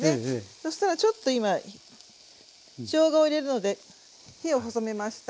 そしたらちょっと今しょうがを入れるので火を細めました。